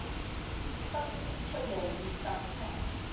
新鮮出爐熱蛋撻